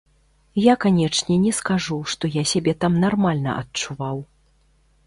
Я, канечне, не скажу, што я сябе там нармальна адчуваў.